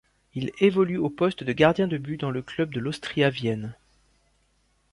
Il évolue au poste de gardien de but dans le club de l'Austria Vienne.